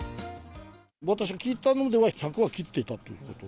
私が聞いたのでは、１００は切っていたということ。